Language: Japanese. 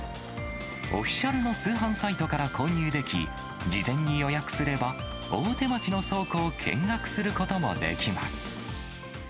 オフィシャルの通販サイトから購入でき、事前に予約すれば大手町の倉庫を見学することもできます。